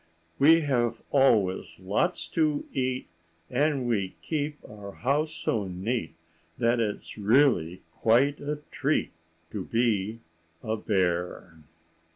We have always lots to eat, And we keep our house so neat That it's really quite a treat To be a bear.